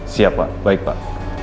siap pak baik pak